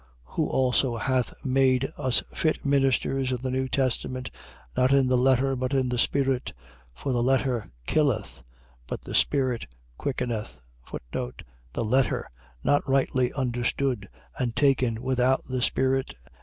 3:6. Who also hath made us fit ministers of the new testament, not in the letter but in the spirit. For the letter killeth: but the spirit quickeneth. The letter. . .Not rightly understood, and taken without the spirit.